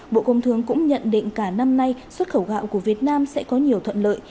bộ công thương cũng nhận định cả năm nay xuất khẩu gạo của việt nam sẽ có nhiều thuận lợi